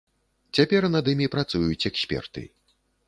Цяпер над імі працуюць эксперты.